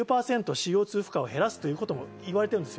ＣＯ２負荷を減らすということも言われています。